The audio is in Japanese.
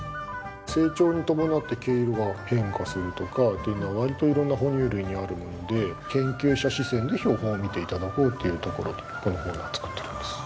成長に伴って毛色が変化するとかというのは割と色んな哺乳類にあるもので研究者視線で標本を見て頂こうっていうところでこのコーナーを作っております。